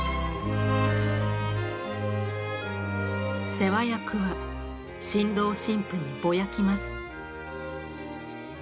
世話役は新郎新婦にぼやきます。